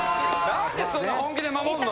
何でそんな本気で守るの！？